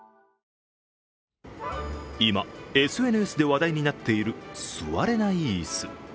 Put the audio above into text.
今、ＳＮＳで話題になっている座れない椅子。